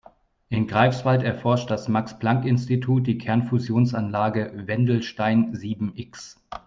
In Greifswald erforscht das Max-Planck-Institut die Kernfusionsanlage Wendelstein sieben-X.